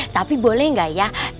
tapi boleh gak ya